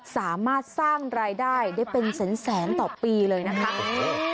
สามารถสร้างรายได้ได้เป็นแสนต่อปีเลยนะคะ